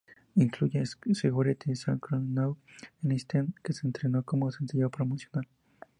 Incluía "Security", "Strong Enough" e "Instead", que se estrenó como sencillo promocional.